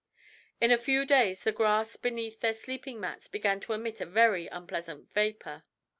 In a few days the grass beneath their sleeping mats began to emit a "very unpleasant vapour."